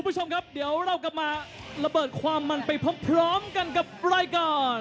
คุณผู้ชมครับเดี๋ยวเรากลับมาระเบิดความมันไปพร้อมกันกับรายการ